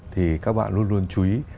thì các bạn luôn luôn chú ý